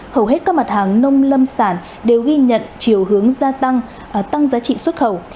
hầu hết các mặt hàng nông lâm sản đều ghi nhận chiều hướng gia tăng tăng giá trị xuất khẩu